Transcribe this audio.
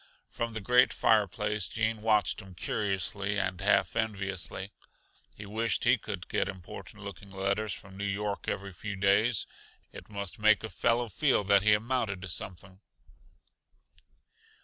From the great fireplace Gene watched him curiously and half enviously. He wished he could get important looking letters from New York every few days. It must make a fellow feel that he amounted to something.